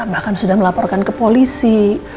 bahkan sudah melaporkan ke polisi